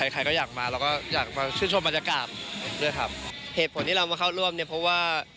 ใครก็อยากมาเราก็อยากมาชื่นชมบรรยากาศด้วยครับเหตุผลที่เรามาเข้าร่วมเนี่ยเพราะว่า